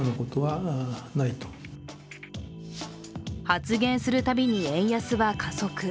発言をするたびに円安は加速。